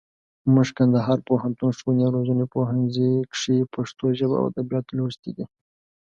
موږ کندهار پوهنتون، ښووني او روزني پوهنځي کښي پښتو ژبه او اودبيات لوستي دي.